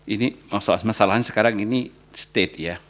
ini masalahnya sekarang ini state ya